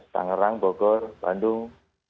tangerang bogor bandung